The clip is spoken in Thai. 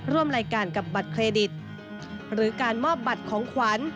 ร่วมรายการกับบัตรเครดิตหรือการมอบบัตรของขวัญ